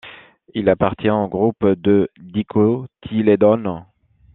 Il appartient au groupe de dicotylédone.